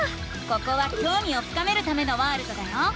ここはきょうみを深めるためのワールドだよ。